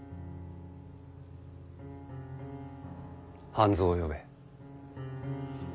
半蔵を呼べ。